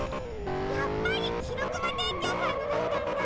やっぱりシロクマ店長さんのだったんだ。